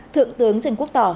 thượng tướng trần quốc tỏ